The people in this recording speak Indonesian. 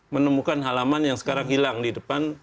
menemukan halaman yang sekarang hilang di depan